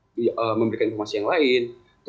terus dari bapak mahfud sendiri memberikan informasi lain